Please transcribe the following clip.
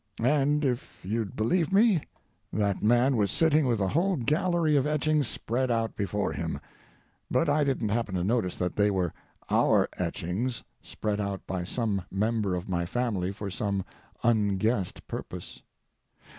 And if you'd believe me, that man was sitting with a whole gallery of etchings spread out before him. But I didn't happen to notice that they were our etchings, spread out by some member of my family for some unguessed purpose.